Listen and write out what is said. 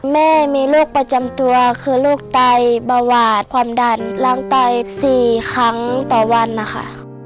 แม่มีโรคประจำตัวคือโรคไตเบาหวาดความดันล้างไต๔ครั้งต่อวันนะคะ